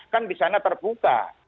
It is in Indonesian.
kan di sana terbuka